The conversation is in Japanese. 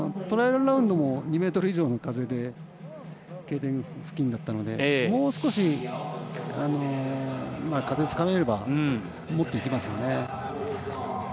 トライアルラウンドも２メートル以上の風でＫ点付近だったのでもう少し風をつかめればもっといけますよね。